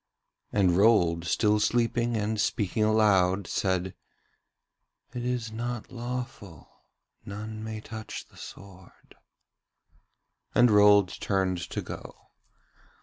And Rold, still sleeping and speaking aloud, said: 'It is not lawful; none may touch the sword.' And Rold turned to go.